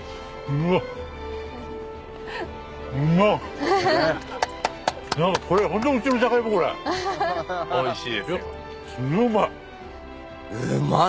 うーんおいしい！